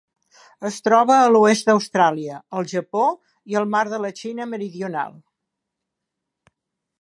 Es troba a l'oest d'Austràlia, el Japó i el mar de la Xina Meridional.